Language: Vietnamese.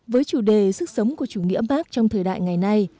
với chủ đề sức sống của chủ nghĩa mark trong thời đại ngày nay